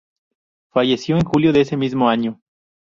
Falleció en julio de ese mismo año.